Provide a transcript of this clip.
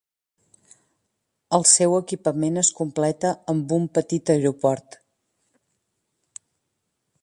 El seu equipament es completa amb un petit aeroport.